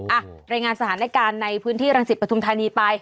อ่ะรายงานสถานการณ์ในพื้นที่รังสิตปฐุมธานีไป